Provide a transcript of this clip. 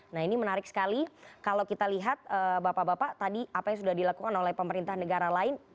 nah ini menarik sekali kalau kita lihat bapak bapak tadi apa yang sudah dilakukan oleh pemerintah negara lain